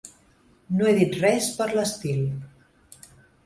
No he dit res per l'estil.